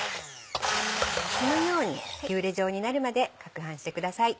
このようにピューレ状になるまでかくはんしてください。